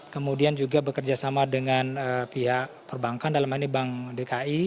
kemudian juga bekerja sama dengan pihak perbankan dalam hal ini bank dki